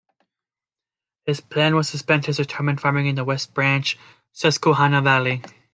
His plan was to spend his retirement farming in the West Branch Susquehanna Valley.